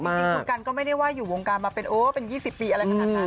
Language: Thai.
จริงคุณกันก็ไม่ได้ว่าอยู่วงการมาเป็นโอ้เป็น๒๐ปีอะไรขนาดนั้น